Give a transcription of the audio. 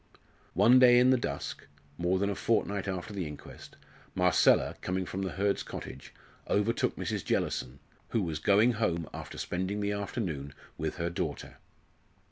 One day in the dusk, more than a fortnight after the inquest, Marcella, coming from the Hurds' cottage, overtook Mrs. Jellison, who was going home after spending the afternoon with her daughter.